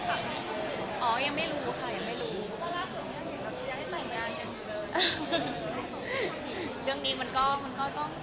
ก็คือใจเย็นนะคะเหมือนยังไม่ได้คุยกัน